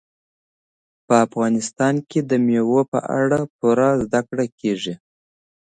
په افغانستان کې د مېوو په اړه پوره زده کړه کېږي.